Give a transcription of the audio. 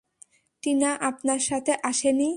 টিনা আপনার সাথে আসে নি?